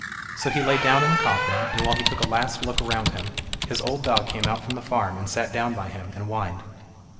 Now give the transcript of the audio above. So he lay down in the coffin, and while he took a last look around him, his old dog came out from the farm and sat down by him, and whined.